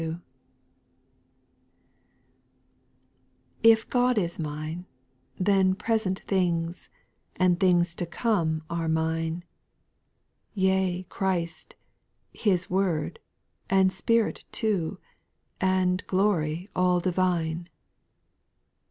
TF God is mine, then present things, i And things to come are mine ; Yea Christ, His Word, and Spirit too, And glory all divine.